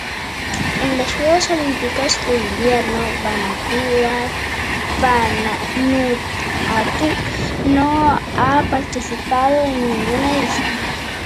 En los Juegos Olímpicos de Invierno Vanuatu no ha participado en ninguna edición.